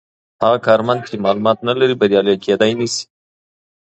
هغه کارمند چې معلومات نلري بریالی کیدای نسي.